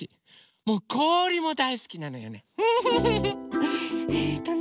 こおりもだいすきなのよね。